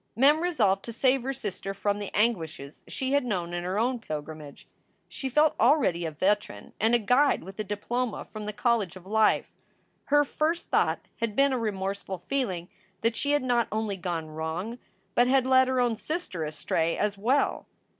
Mem resolved to save her sister from the anguishes she had known in her own pilgrimage. She felt already a veteran and a guide with a diploma from the college of life. Her first thought had been a remorseful feeling that she had not only gone wrong, but had led her own sister astray, as well.